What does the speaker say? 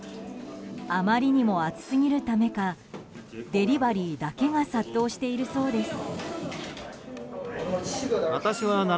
あまりにも暑すぎるためかデリバリーだけが殺到しているそうです。